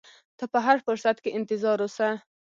ته په هر فرصت کې انتظار اوسه.